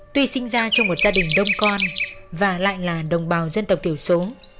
tuy sinh ra trong một gia đình đông con và lại là đồng bào dân tộc thiểu số